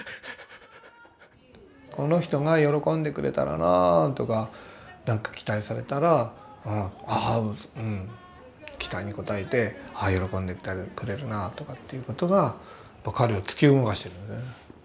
「この人が喜んでくれたらなぁ」とかなんか期待されたら期待に応えてああ喜んでくれるなぁとかということが彼を突き動かしてる。